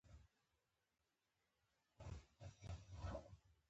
- یو سافټویر 📦